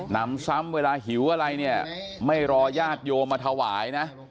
นำซ้ำเวลาหิวอะไรเนี่ยไม่รอญาติโยมมาถวายนะ